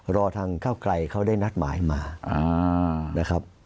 รอทางเก้าไกลเขาได้นัดหมายมานะครับ